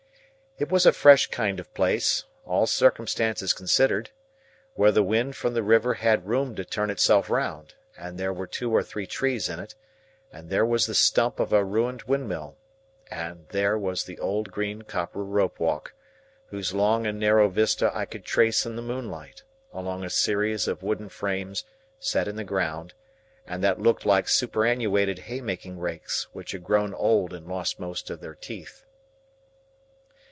It was a fresh kind of place, all circumstances considered, where the wind from the river had room to turn itself round; and there were two or three trees in it, and there was the stump of a ruined windmill, and there was the Old Green Copper Rope walk,—whose long and narrow vista I could trace in the moonlight, along a series of wooden frames set in the ground, that looked like superannuated haymaking rakes which had grown old and lost most of their teeth.